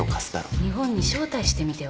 日本に招待してみては？